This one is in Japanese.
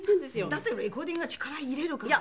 だってレコーディングは力入れるからね。